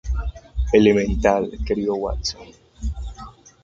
Elemental, querido Watson